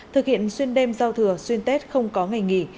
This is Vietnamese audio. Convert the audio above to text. thực hiện xuyên đêm giao thừa xuyên tết không có ngày nghỉ